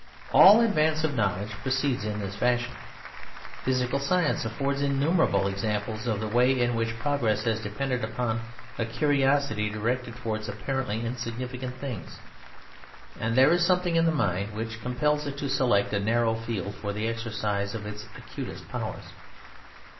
All advance of knowledge proceeds in this fashion. Physical science affords innumerable examples of the way in which progress has depended upon a curiosity directed towards apparently insignificant things, and there is something in the mind which compels it to select a narrow field for the exercise of its acutest powers.